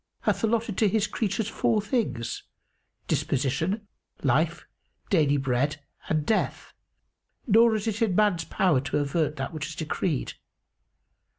hath allotted to His creatures four things, disposition, life, daily bread and death; nor is it in man's power to avert that which is decreed.